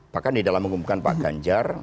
bahkan di dalam mengumumkan pak ganjar